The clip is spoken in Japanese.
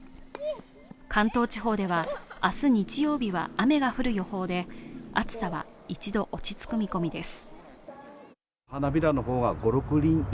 関東地方では、明日日曜日は雨が降る予報で暑さは一度落ち着く見込みです。